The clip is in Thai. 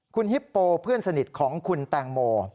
คุณฮิปโปเพื่อนสนิทของคุณแตงโม